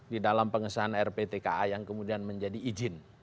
di dalam pengesahan rptka yang kemudian menjadi izin